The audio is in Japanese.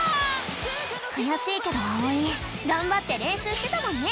くやしいけどあおいがんばってれんしゅうしてたもんね！